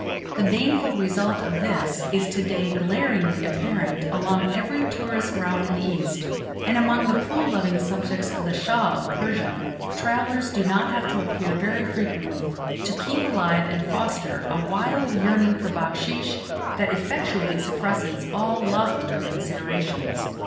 The baneful result of this is today glaringly apparent along every tourist route in the East; and, among the pool loving subjects of the Shah of Persia, travellers do not have to appear very frequently to keep alive and foster a wild yearning for backsheesh that effectually suppresses all loftier considerations.